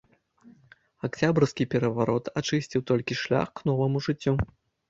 Акцябрскі пераварот ачысціў толькі шлях к новаму жыццю.